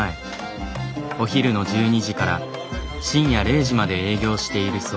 お昼の１２時から深夜０時まで営業しているそう。